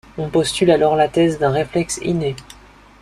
On postule alors la thèse d'un réflexe inné.